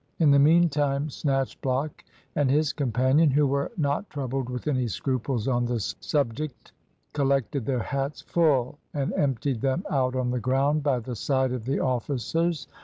In the meantime Snatchblock and his companion, who were not troubled with any scruples on the subject, collected their hats full and emptied them out on the ground by the side of the officers.